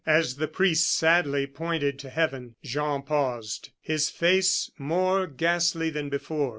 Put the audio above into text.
As the priest sadly pointed to heaven, Jean paused, his face more ghastly than before.